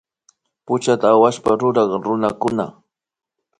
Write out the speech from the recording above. Puchata awashpa ruray kunukllita